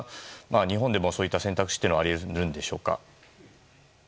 日本でもそういった選択肢あり得るんでしょうか。